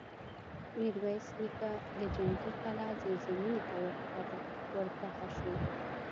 ميرويس نيکه د جنګي کلا زېرزميني ته ور کښه شو.